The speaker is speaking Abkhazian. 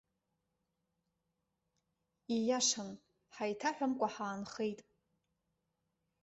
Ииашан, ҳаиҭаҳәамкәа ҳаанхеит!